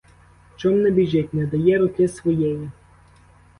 Чом не біжить, не дає руки своєї?